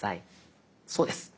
そうです。